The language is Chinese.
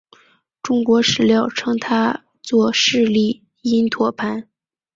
中国史料称他作释利因陀盘。